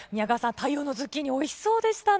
太陽のズッキーニ、おいしそうですね。